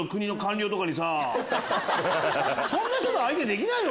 そんな人相手できないよ